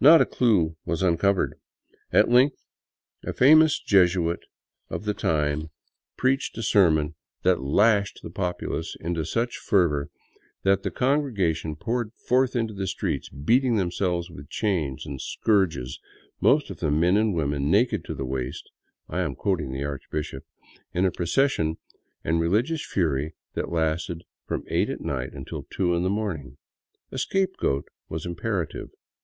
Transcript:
Not a clue was uncovered. At length a famous Jesuit of the time preached a 143 VAGABONDING DOWN THE ANDES sermon that lashed the populace into such fervor that the congregation poured forth into the streets beating themselves with chains and scourges, most of them, men and women, naked to the waist — I am quoting the archbishop — in a procession and religious fury that lasted from eight at night until two in the morning. A scapegoat was im perative.